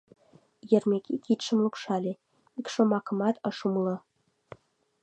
Еремей кидым лупшале: ик шомакымат ыш умыло.